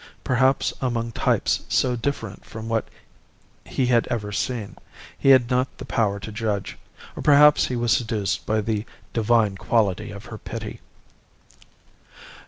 Perhaps among types so different from what he had ever seen, he had not the power to judge; or perhaps he was seduced by the divine quality of her pity.